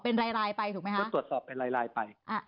เป็นรายลายไปถูกไหมคะ